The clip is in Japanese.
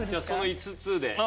その５つで。